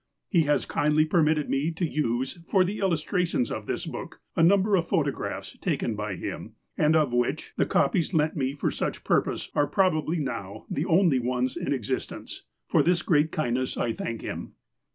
He has kindly permitted me to use, for the illustrations of this book, a number of photographs taken by him, and of which the copies lent me for such purpose are probably now the only ones in existence. For this great kindness I thank him.